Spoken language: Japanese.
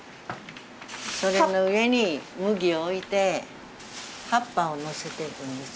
それの上に麦を置いて葉っぱをのせていくんですね。